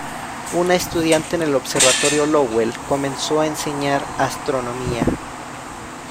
Una estudiante en el Observatorio Lowell comenzó a enseñar astronomía.